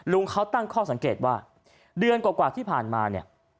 ลุงเขาตั้งข้อสังเกตว่าเดือนกว่าที่ผ่านมาเนี่ย